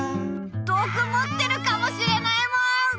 どくもってるかもしれないもん！